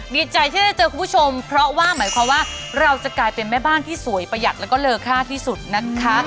มีใจที่ได้เจอคุณผู้ชมเพราะว่าหมายความว่าเราจะกลายเป็นแม่บ้านที่สวยประหยัดแล้วก็เลอค่าที่สุดนะคะ